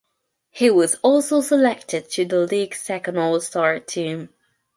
He was also selected to the League's Second All-Star Team.